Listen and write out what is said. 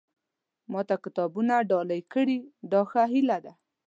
ما ته کتابونه ډالۍ کړي دا ښه هیله ده.